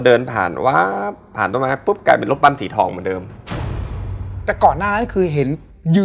เดินผ่านวาบผ่านต้นไม้ปุ๊บกลายเป็นรูปปั้นสีทองเหมือนเดิมแต่ก่อนหน้านั้นคือเห็นยืน